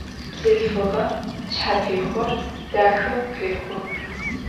Бзылъфыгъэм шъхьэтехъор дахэу къекlу